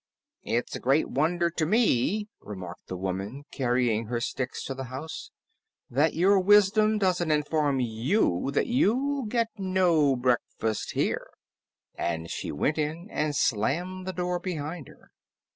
"It's a great wonder to me," remarked the woman, carrying her sticks to the house, "that your wisdom doesn't inform you that you'll get no breakfast here." And she went in and slammed the door behind her.